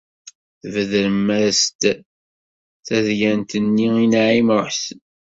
Tbedrem-as-d tadyant-nni i Naɛima u Ḥsen.